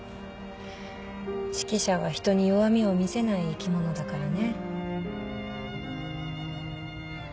指揮者は人に弱みを見せない生き物だからね。